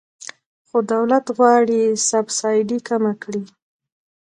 خو دولت غواړي سبسایډي کمه کړي.